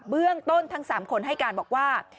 เบื้องต้นทั้ง๓คนให้การบอกว่า